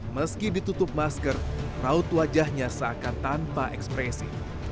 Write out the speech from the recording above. meski ditutup masker raut wajahnya seakan tanpa ekspresi